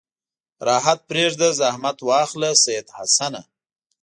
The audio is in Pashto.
راحت پرېږده زحمت واخله سید حسنه.